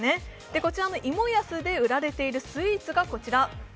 こちらの芋やすで売られているスイーツが、こちら。